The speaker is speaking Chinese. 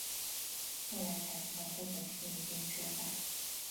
后来才知道这本书已经绝版